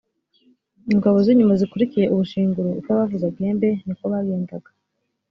ingabo z’inyuma zikurikiye ubushinguro; uko bavuzaga ihembe ni ko bagendaga.